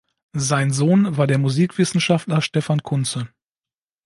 Sein Sohn war der Musikwissenschaftler Stefan Kunze.